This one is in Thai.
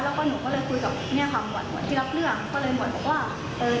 แล้วก็หนูก็เลยคุยกับเนี้ยค่ะเหมือนที่รับเรื่องก็เลยเหมือนบอกว่าเออ